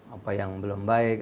apa yang belum baik